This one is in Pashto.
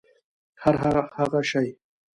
هرهغه شی